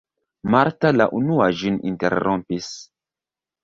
Marta la unua ĝin interrompis.